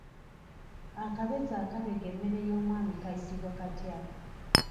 Akabezo akabega emmere y'omwami kayitibwa katya?